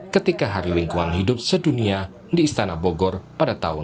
ketika hari lingkungan hidup sedunia di istana bogor pada tahun dua ribu